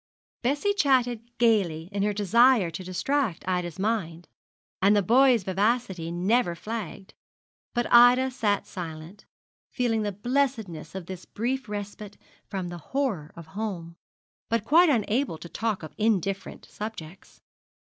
Bessie chatted gaily in her desire to distract Ida's mind, and the boy's vivacity never flagged; but Ida sat silent, feeling the blessedness of this brief respite from the horror of home, but quite unable to talk of indifferent subjects.